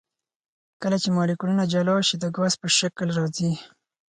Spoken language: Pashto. کله چې مالیکولونه جلا شي د ګاز په شکل راځي.